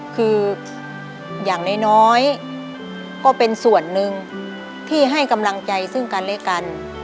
คืออย่างน้อยก็เป็นส่วนหนึ่งที่ให้กำลังใจซึ่งกันและกัน